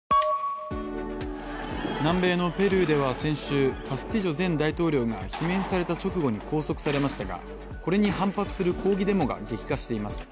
南米のペルーでは先週、カスティジョ前大統領が罷免された直後に拘束されましたがこれに反発する抗議デモが激化しています。